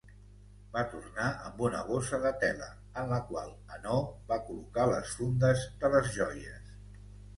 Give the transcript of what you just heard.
Va tornar amb una bossa de tela, en la qual Hanaud va col·locar les fundes de les joies.